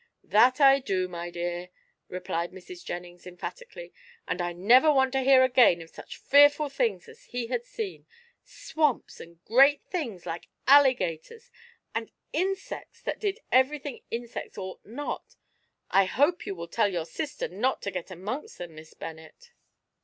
"That I do, my dear," replied Mrs. Jennings emphatically, "and I never want to hear again of such fearful things as he had seen swamps, and great things like alligators ... and insects that did everything insects ought not. I hope you will tell your sister not to get amongst them, Miss Bennet."